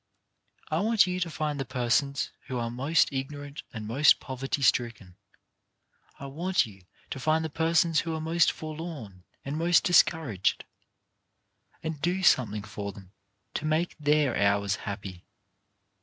I want you to find the persons who are most ignor ant and most poverty stricken ; I want you to find the persons who are most forlorn and most dis couraged, and do something for them to make their hours happy.